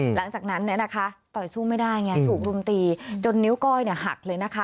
หลังจากนั้นเนี่ยนะคะต่อยสู้ไม่ได้ไงถูกรุมตีจนนิ้วก้อยหักเลยนะคะ